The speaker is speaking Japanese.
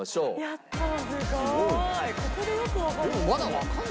やったー！